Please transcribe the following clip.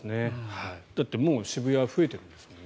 だって、もう渋谷は増えてるんですもんね。